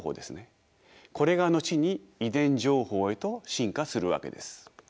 これが後に遺伝情報へと進化するわけです。